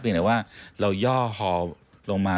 เพียงแต่ว่าเราย่อฮอล์ลงมา